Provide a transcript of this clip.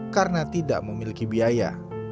karena tidak memiliki biaya